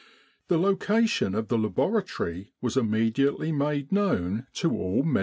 The location of the laboratory was immediately made known to all M.O.'